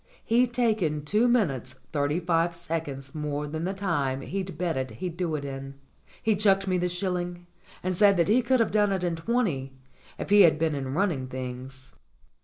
He'd taken two minutes thirty five seconds more than the time he'd betted he'd do it in. He chucked me the shilling, and said that he could have done it in twenty if he had been in running things.